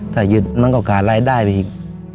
ถ้าหยุดมันก็ขาดรายได้ไปอีก